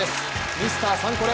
ミスターサンコレ